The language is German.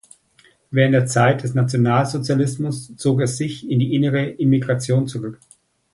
Während der Zeit des Nationalsozialismus zog er sich in die innere Emigration zurück.